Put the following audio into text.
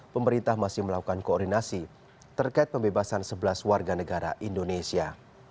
pemerintah masih melakukan koordinasi terkait pembebasan sebelas warga negara indonesia